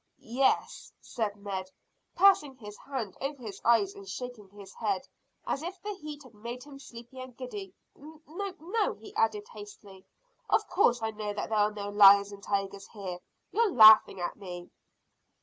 "Yes," said Ned, passing his hand over his eyes and shaking his head, as if the heat had made him sleepy and giddy. "No, no!" he added hastily. "Of course I know that there are no lions and tigers here. You're laughing at me."